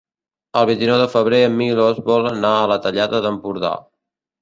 El vint-i-nou de febrer en Milos vol anar a la Tallada d'Empordà.